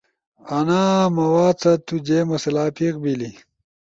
انا مواد ست تو جے مسئلہ پیخ بیلی؟